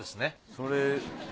それ。